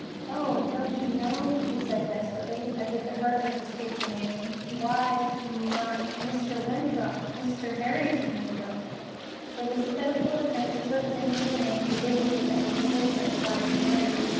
"Oh, don't you know?" she said desperately, as if it hurt her to speak the name. "Why—my—Mr. Winthrop—Mr. Harrington Winthrop." It was a pitiful attempt to put into the name the dignity that her position as wife demanded.